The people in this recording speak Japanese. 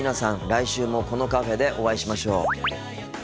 来週もこのカフェでお会いしましょう。